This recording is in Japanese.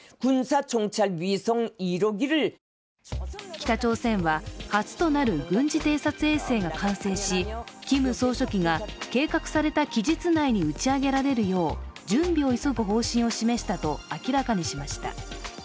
北朝鮮は初となる軍事偵察衛星が完成しキム総書記が計画された期日内に打ち上げられるよう準備を急ぐよう方針を示したと明らかにしました。